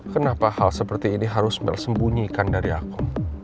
kenapa hal seperti ini harus mel sembunyikan dari aku